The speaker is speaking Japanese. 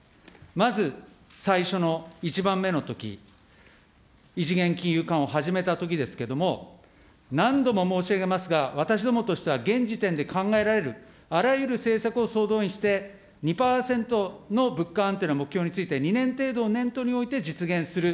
まず最初の、一番目のとき、異次元金融緩和を始めたときですけれども、何度も申し上げますが、私どもとしては現時点で考えられるあらゆる政策を総動員して、２％の物価安定の目標について、２年程度を念頭に置いて実現する。